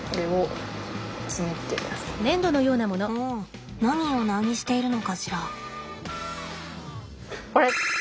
うん何をナニしているのかしら。